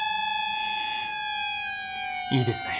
いいですね。